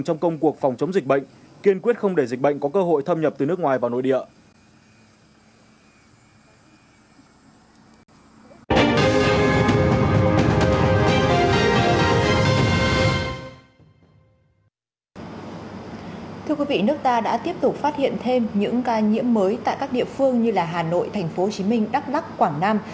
thưa quý vị nước ta đã tiếp tục phát hiện thêm những ca nhiễm mới tại các địa phương như hà nội tp hcm đắk lắc quảng nam